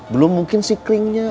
belum mungkin si klingnya